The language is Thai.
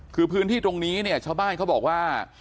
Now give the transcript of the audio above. คือพื้นที่ตรงนี้เนี่ยชาวบ้านเขาบอกว่า